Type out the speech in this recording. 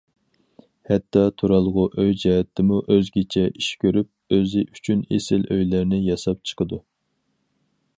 ھەتتا تۇرالغۇ ئۆي جەھەتتىمۇ، ئۆزگىچە ئىش كۆرۈپ، ئۆزى ئۈچۈن ئېسىل ئۆيلەرنى ياساپ چىقىدۇ.